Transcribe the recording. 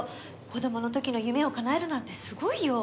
子供の時の夢をかなえるなんてすごいよ！